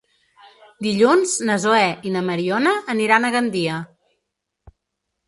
Dilluns na Zoè i na Mariona aniran a Gandia.